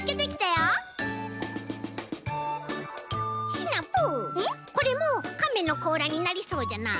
シナプーこれもカメのこうらになりそうじゃない？